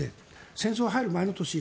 戦争に入る前の年。